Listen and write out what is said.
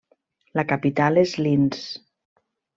La capital és Linz.